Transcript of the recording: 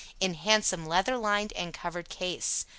In handsome leather lined and covered case.